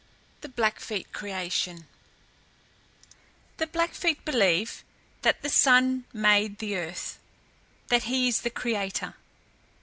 THE BLACKFEET CREATION The Blackfeet believe that the Sun made the earth that he is the creator.